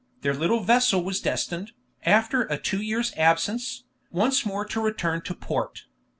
their little vessel was destined, after a two years' absence, once more to return "to port."